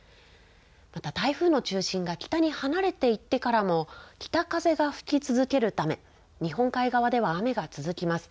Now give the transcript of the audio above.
また台風の中心が北に離れていってからも北風が吹き続けるため日本海側では雨が続きます。